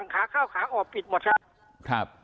การถาข้าเผ่ยสิบบนครับ